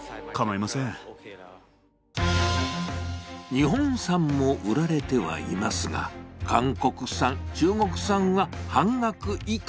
日本産も売られてはいますが、韓国産、中国産は半額以下。